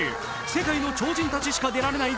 世界の超人たちしか出られない